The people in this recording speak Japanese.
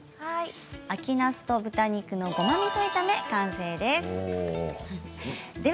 秋なすと豚肉のごまみそ炒め完成です。